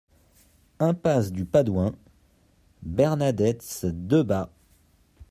Impasse du Padouen, Bernadets-Debat